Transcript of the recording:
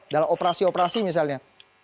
dalam operasi operasi misalnya